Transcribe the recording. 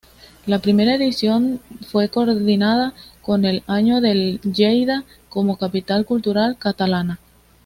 La primera edición fue coordinada con el año de Lleida como capital cultural catalana.